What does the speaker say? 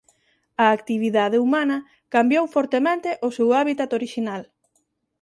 A actividade humana cambiou fortemente o seu hábitat orixinal.